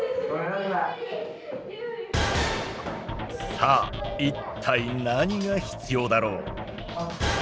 さあ一体何が必要だろう？